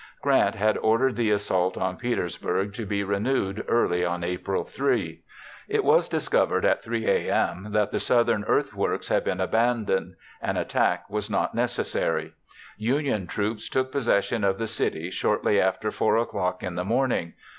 Grant had ordered the assault on Petersburg to be renewed early on April 3. It was discovered at 3 a.m. that the Southern earthworks had been abandoned; an attack was not necessary. Union troops took possession of the city shortly after 4 o'clock in the morning.